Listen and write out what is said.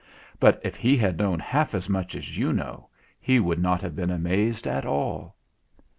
But if he had known half as much as you know, he would not have been amazed at all.